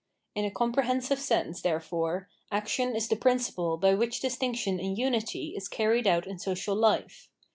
In a comprehensive sense therefore action is the principle by which distinction in unity is carried out in social life.